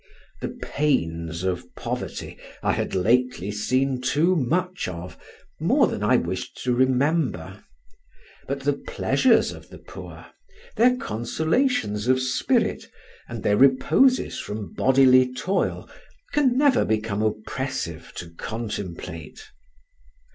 The pains of poverty I had lately seen too much of, more than I wished to remember; but the pleasures of the poor, their consolations of spirit, and their reposes from bodily toil, can never become oppressive to contemplate.